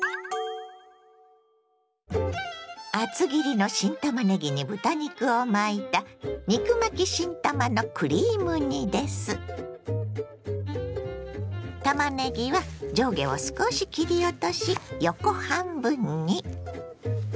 厚切りの新たまねぎに豚肉を巻いたたまねぎは上下を少し切り落とし横半分に。